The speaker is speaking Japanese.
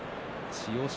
千代翔